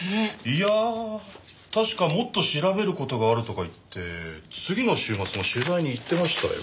いや確かもっと調べる事があるとか言って次の週末も取材に行ってましたよ。